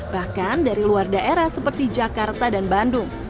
bahkan dari luar daerah seperti jakarta dan bandung